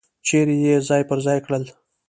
چیرې یې ځای پر ځای کړل.